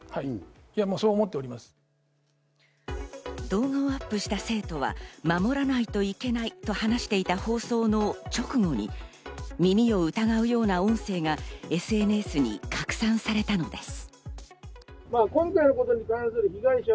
動画をアップした生徒は守らないといけないと話していた放送の直後に耳を疑うような音声がＳＮＳに拡散されたのです。